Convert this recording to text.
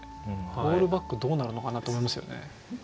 オールバックどうなるのかなって思いますよね。